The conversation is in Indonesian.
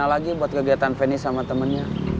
lama lagi buat kegiatan feni sama temennya